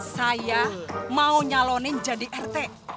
saya mau nyalonin jadi rt